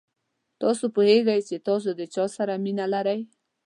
تاسو پوهېږئ چې تاسو د چا سره مینه لرئ.